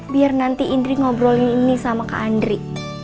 biar nanti indri ngobrolin ini sama kak andri